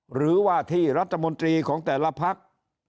หรือว่าที่รัฐมนตรีของแต่ละพัก